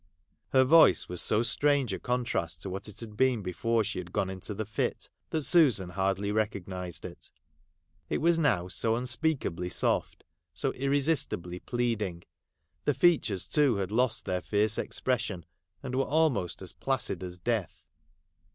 ' Her voice was so strange a contrast to what it had been before she had gone into the fit that Susan hardly recognised it ; it was now so unspeakably soft, so irresistibly pleading, the features too had lost their fierce expression, and were almost as placid as death.